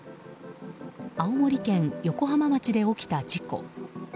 青森県横浜町で起きた事故。